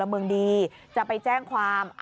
แล้วมึงมีสิ่งประมาณกันทำไม